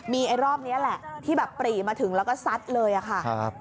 มีรอบนี้แหละที่ปรีมาถึงแล้วก็ซัดเลยค่ะ